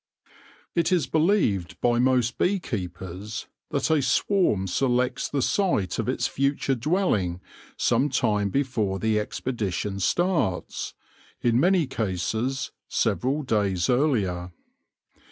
It is believed by most bee keepers that a swarm selects the site of its future dwelling some time before the expedition starts, in many cases several days earlier.